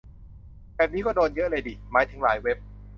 แบบนี้ก็โดนเยอะเลยดิ หมายถึงหลายเว็บ